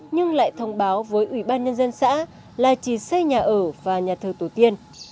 nhưng lại thông báo với ủy ban nhân dân xã là chỉ xây nhà ở và nhà thờ tổ tiên